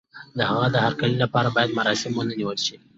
د هغه د هرکلي لپاره بايد مراسم ونه نيول شي.